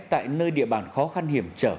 tại nơi địa bàn khó khăn hiểm trở